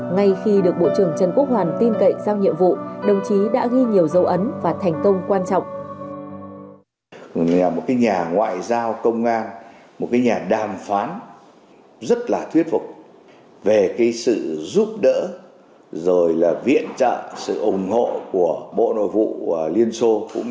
ngay khi được bộ trưởng trần quốc hoàn tin cậy giao nhiệm vụ đồng chí đã ghi nhiều dấu ấn và thành công quan trọng